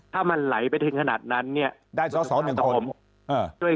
ถ้ามันไหลไปถึงขนาดนั้นได้สองสองหนึ่งคน